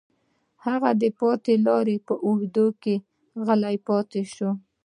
هغه د پاتې لارې په اوږدو کې غلی پاتې شو